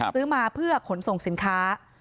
ซื้อมาเพื่อขนส่งสินค้า